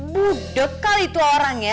budekal itu orang ya